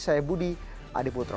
saya budi adiputro